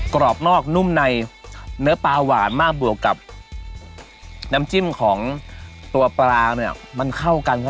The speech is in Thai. กรอบนอกนุ่มในเนื้อปลาหวานมากบวกกับน้ำจิ้มของตัวปลาเนี่ยมันเข้ากัน